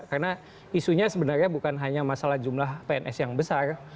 karena isunya sebenarnya bukan hanya masalah jumlah pns yang besar